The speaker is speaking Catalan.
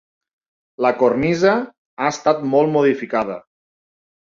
La cornisa ha estat molt modificada.